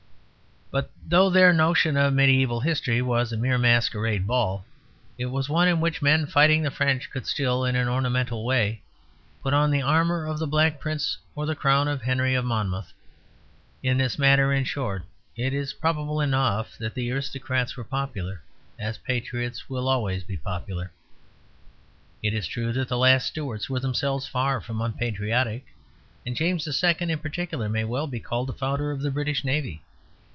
But though their notion of mediæval history was a mere masquerade ball, it was one in which men fighting the French could still, in an ornamental way, put on the armour of the Black Prince or the crown of Henry of Monmouth. In this matter, in short, it is probable enough that the aristocrats were popular as patriots will always be popular. It is true that the last Stuarts were themselves far from unpatriotic; and James II. in particular may well be called the founder of the British Navy.